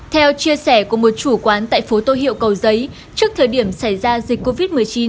theo chia sẻ của một chủ quán tại phố tô hiệu cầu giấy trước thời điểm xảy ra dịch covid một mươi chín